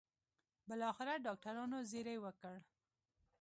بالاخره ډاکټرانو زېری وکړ.